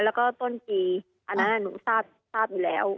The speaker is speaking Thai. แล้วก็ต้นปีอันนั้นหนูทราบอยู่แล้ว